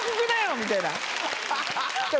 みたいな。